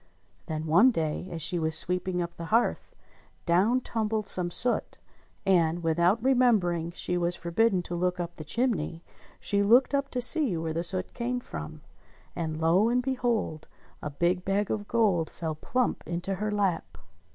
Then one day, as she was sweeping up the hearth, down tumbled some soot, and, without remembering she was forbidden to look up the chimney, she looked up to see where the soot came from. And lo ! and behold, a big bag of gold fell plump into her lap.